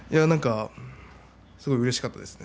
なんかすごいうれしかったですね。